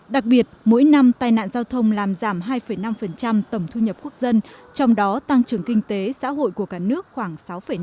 đặc biệt mỗi năm tai nạn giao thông làm giảm hai năm tổng thu nhập quốc dân trong đó tăng trưởng kinh tế xã hội của cả nước khoảng sáu năm